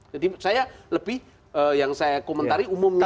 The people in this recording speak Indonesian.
jadi saya lebih yang saya komentari umumnya